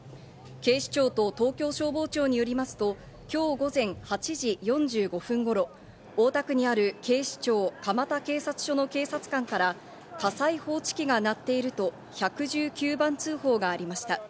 警視庁と東京消防庁によりますと、今日午前８時４５分頃、大田区にある警視庁・蒲田警察署の警察官から火災報知機が鳴っていると１１９番通報がありました。